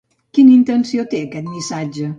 Quina intenció té aquest missatge?